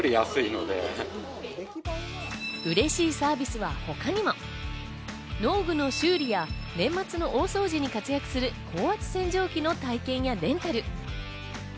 うれしいサービスは他にも。農具の修理や、年末の大掃除に活躍する高圧洗浄機の体験やレンタル。